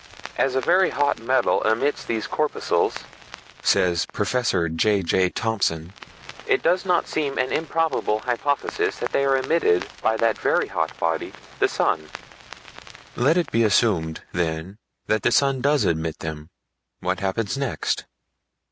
"As a very hot metal emits these corpuscles," says Prof. J. J. Thomson, "it does not seem an improbable hypothesis that they are emitted by that very hot body, the sun." Let it be assumed, then, that the sun does emit them; what happens next?